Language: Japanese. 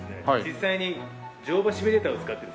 実際に乗馬シミュレーターを使ってですね